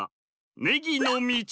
ねぎのみち！